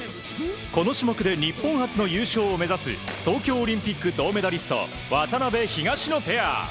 この種目で日本初の優勝を目指す東京オリンピック銅メダリスト渡辺、東野ペア。